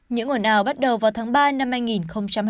những nguồn ào bắt đầu vào tháng ba năm hai nghìn hai mươi bốn